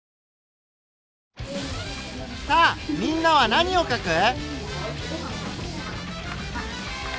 さあみんなは何をかく？